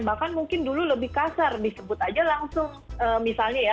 bahkan mungkin dulu lebih kasar disebut aja langsung misalnya ya